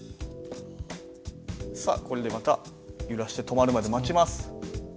さあこれでまた揺らして止まるまで待ちます。